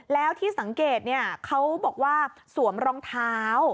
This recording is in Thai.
แล้วที่สังเกตเขาบอกว่าสวมรองเท้า